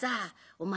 お前